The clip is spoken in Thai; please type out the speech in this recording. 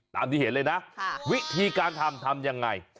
ตามที่เห็นเลยนะวิธีการทำทำยังไง